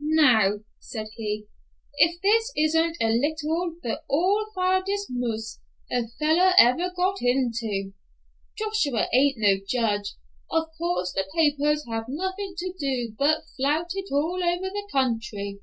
"Now," said he, "if this isn't a little the all firedest muss a feller ever got into, Josh ain't no judge. Of course the papers have nothing to do but flout it all over the country.